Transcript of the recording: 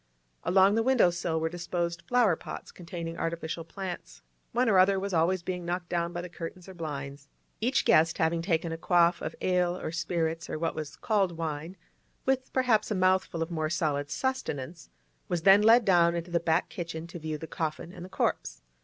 Along the window sill were disposed flower pots containing artificial plants; one or other was always being knocked down by the curtains or blinds. Each guest having taken a quaff of ale or spirits or what was called wine, with perhaps a mouthful of more solid sustenance, was then led down into the back kitchen to view the coffin and the corpse.